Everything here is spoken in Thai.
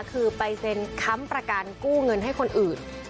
คือไปเซ็นค้ำประกันกู้เงินให้คนอื่น